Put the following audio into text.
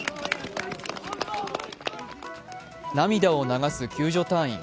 涙を流す救助隊員。